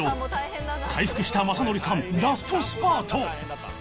回復した雅紀さんラストスパート！